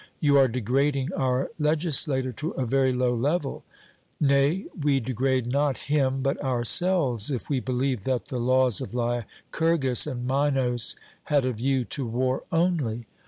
'You are degrading our legislator to a very low level.' Nay, we degrade not him, but ourselves, if we believe that the laws of Lycurgus and Minos had a view to war only.